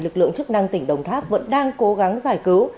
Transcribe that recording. lực lượng chức năng tỉnh đồng tháp vẫn đang cố gắng giải cứu